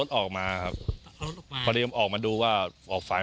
ตอนนั้นอีกทีเสียงยังไงบ้าง